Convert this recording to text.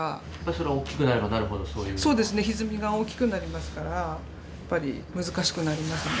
ひずみが大きくなりますからやっぱり難しくなりますね。